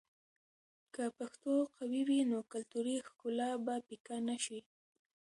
که پښتو قوي وي، نو کلتوري ښکلا به پیکه نه شي.